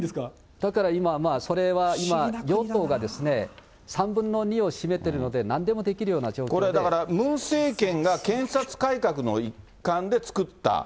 だからそれは今、与党が３分の２を占めてるのでなんでもできこれだから、ムン政権が検察改革の一環で作った。